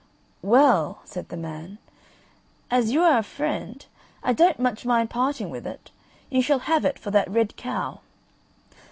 "Well," said the man, "as you are a friend, I don't much mind parting with it; you shall have it for that red cow."